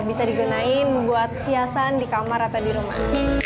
bisa digunain buat hiasan di kamar atau di rumah